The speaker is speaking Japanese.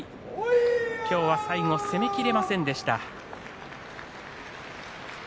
今日は最後攻めきれませんでした。